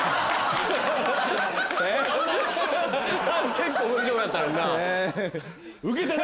結構面白かったのにな。